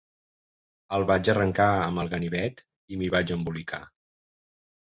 El vaig arrencar amb el ganivet i m'hi vaig embolicar